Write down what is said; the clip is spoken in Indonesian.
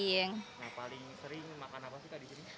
nah paling sering makan apa sih kak di sini